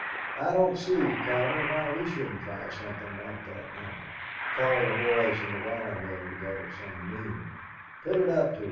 I don't see, Cowder, why we shouldn't try something like that now. Call the boys in the wire mill together some noon. Put it up to 'em.